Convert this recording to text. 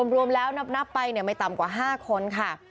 รวมแล้วนับไปไม่ต่ำกว่า๕คนค่ะ